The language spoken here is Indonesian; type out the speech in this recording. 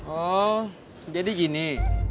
oh jadi gini